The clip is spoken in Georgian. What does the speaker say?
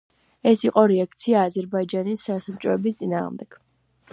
ეს იყო რეაქცია აზერბაიჯანის გასაბჭოების წინააღმდეგ.